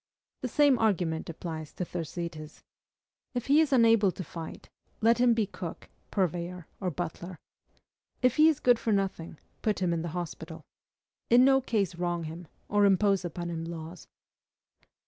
The same argument applies to Thersites. If he is unable to fight, let him be cook, purveyor, or butler. If he is good for nothing, put him in the hospital. In no case wrong him, or impose upon him laws.